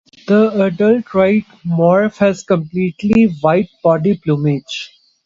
The adult white morph has completely white body plumage.